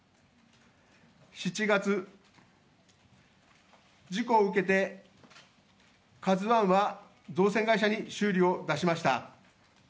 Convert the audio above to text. ７月、事故を受けて「ＫＡＺＵⅠ」は造船会社に修理を出しました。